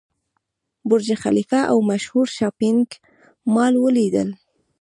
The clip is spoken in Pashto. برج خلیفه او مشهور شاپینګ مال ولیدل.